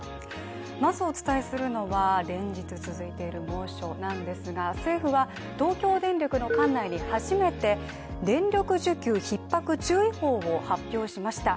まずお伝えするのは、連日続いている猛暑なんですが政府は東京電力の管内に初めて電力需給ひっ迫注意報を発表しました。